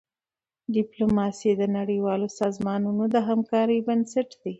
ډيپلوماسي د نړیوالو سازمانونو د همکارۍ بنسټ دی.